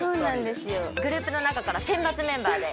グループの中から選抜メンバーで。